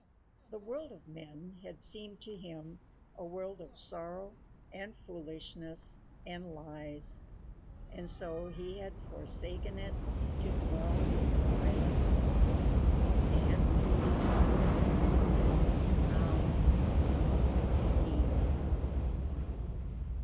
The world of men had seemed to him a world of sorrow and foolishness and lies, and so he had forsaken it to dwell with silence and beauty and the sound of the sea.